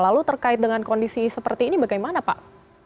lalu terkait dengan kondisi seperti ini bagaimana pak